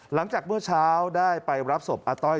หลังจากเมื่อเช้าได้ไปรับศพอาต้อย